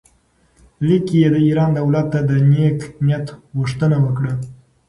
لیک کې یې د ایران دولت ته د نېک نیت غوښتنه وکړه.